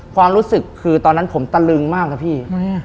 ความรู้สึกคือตอนนั้นผมตะลึงมากนะพี่